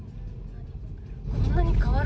こんなに変わる？